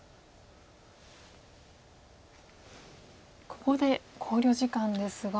ここで考慮時間ですが。